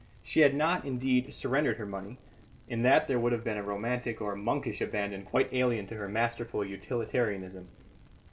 She had not, indeed, surrendered her money; in that there would have been a romantic or monkish abandon quite alien to her masterful utilitarianism.